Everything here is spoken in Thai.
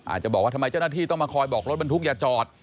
อาจจะบอกว่าทำไมเจ้าหน้าที่ต้องมาคอยบอกรถบรรทุกอย่าจอด